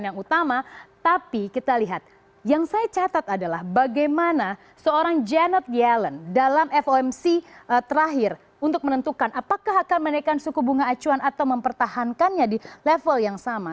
yang saya catat adalah bagaimana seorang janet yellen dalam fomc terakhir untuk menentukan apakah akan menaikan suku bunga acuan atau mempertahankannya di level yang sama